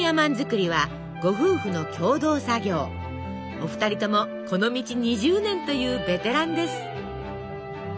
お二人ともこの道２０年というベテランです。